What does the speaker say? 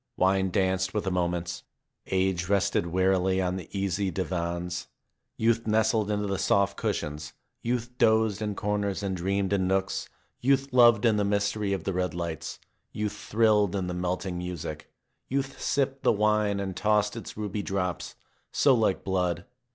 Wine danced with the moments. Age rested wearily on the easy divans. Youth nestled into the soft cushions; youth dozed in corners and dreamed in nooks; youth loved in the mystery of the red lights; youth thrilled to the melting music; youth sipped the wine and tossed its ruby drops, so like blood.